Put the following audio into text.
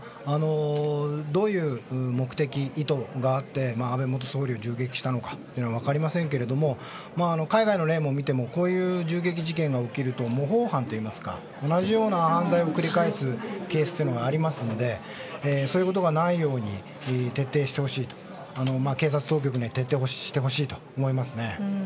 どういう目的や意図があって安倍元総理を銃撃したのかというのは分かりませんけども海外の例を見てもこういう銃撃事件が起きると模倣犯といいますか、同じような犯罪を繰り返すケースもありますのでそういうことがないように警察当局に徹底してほしいと思います。